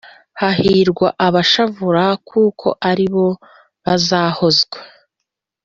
Hahirwa abashavura, Kuko ari bo bazahozwa